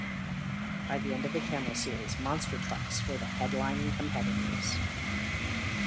By the end of the Camel series, monster trucks were the headlining competitors.